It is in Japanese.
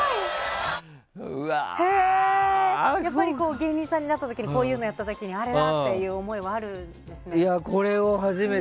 やっぱり芸人さんになった時にこういうのやった時にあれだっていう思いはこれを初めて。